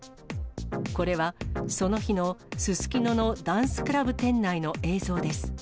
これはその日のすすきののダンスクラブ店内の映像です。